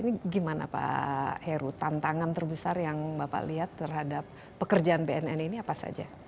ini gimana pak heru tantangan terbesar yang bapak lihat terhadap pekerjaan bnn ini apa saja